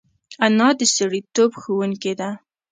انا د سړیتوب ښوونکې ده